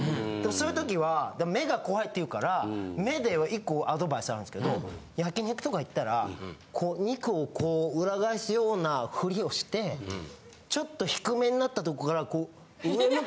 そういう時は目が怖いっていうから目で１個アドバイスあるんですけど焼肉とか行ったらこう肉を裏返すようなふりをしてちょっと低めになったとこから。